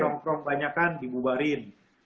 romp romp banyakan dibubarin